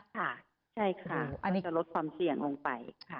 ค่ะใช่ค่ะจะลดความเสี่ยงลงไป